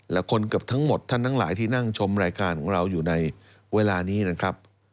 และคนเกือบทั้งหมดท่านทั้งหลายที่นั่งชมรายการของเราอยู่ในเวลานี้นะครับ